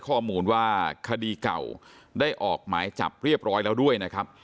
ข้อมูลว่าคดีเก่าได้ออกหมายจับเรียบร้อยแล้วด้วยนะครับ